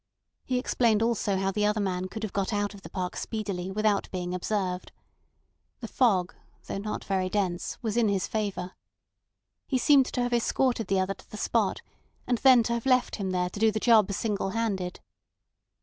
He explained also how the other man could have got out of the park speedily without being observed. The fog, though not very dense, was in his favour. He seemed to have escorted the other to the spot, and then to have left him there to do the job single handed.